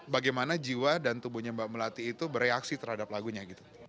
bagaimana jiwa dan tubuhnya mbak melati itu bereaksi terhadap lagunya gitu